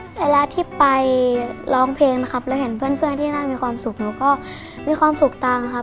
เวลาที่ไปร้องเพลงนะครับเราเห็นเพื่อนที่น่ามีความสุขหนูก็มีความสุขตังค์ครับ